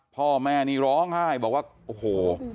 พ่อแม่นี่ร้องไห้บอกว่าโอ้โห